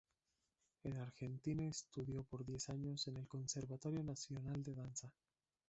En Argentina estudió por diez años en el Conservatorio Nacional de Danza.